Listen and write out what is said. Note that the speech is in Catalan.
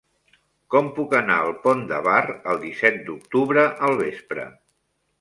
Com puc anar al Pont de Bar el disset d'octubre al vespre?